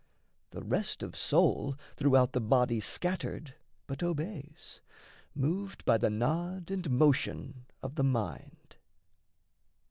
The rest of soul, Throughout the body scattered, but obeys Moved by the nod and motion of the mind.